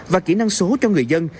và kỹ năng số cho người dân